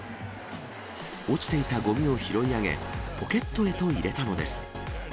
落ちていたごみを拾い上げ、ポケットへと入れたのです。